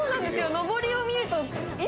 上りを見ると。